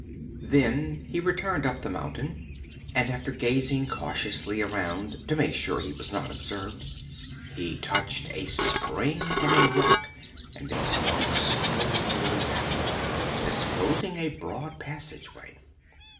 Then he returned up the mountain and, after gazing cautiously around to make sure he was not observed, he touched a spring in a rock and it swung slowly backward, disclosing a broad passageway.